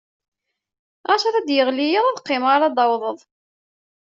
Ɣas ad d-yeɣli yiḍ, ad qqimeɣ ar d-tawḍeḍ.